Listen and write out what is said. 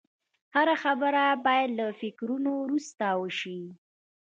هره خبره باید له فکرو وروسته وشي